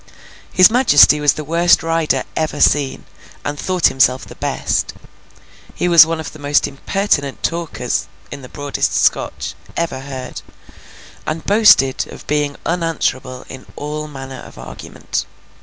His majesty was the worst rider ever seen, and thought himself the best. He was one of the most impertinent talkers (in the broadest Scotch) ever heard, and boasted of being unanswerable in all manner of argument.